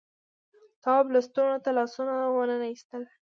تواب لستونو ته لاسونه وننه ایستل.